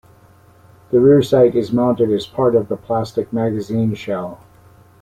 The rear sight is mounted as part of the plastic magazine shell.